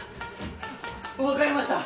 わかりました